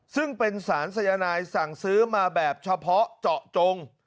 ซึ่งเป็นสารสายนายสั่งซื้อมาแบบเฉพาะเจาะจง